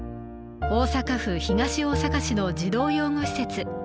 大阪府東大阪市の児童養護施設